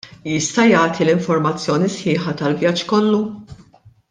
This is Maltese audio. Jista' jagħti l-informazzjoni sħiħa tal-vjaġġ kollu?